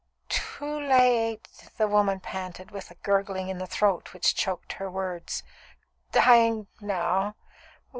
"Too late " the woman panted, with a gurgling in the throat which choked her words. "Dying now.